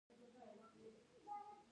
افغانستان په قومونه غني دی.